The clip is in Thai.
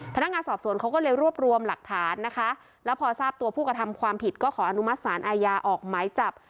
พนักงานสอบสวนเขาก็เลยรวบรวมหลักฐานนะคะแล้วพอทราบตัวผู้กระทำความผิดก็ขออนุมัติศาลอาญาออกหมายจับ